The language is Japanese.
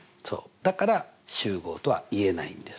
だから集合とは言えないんです。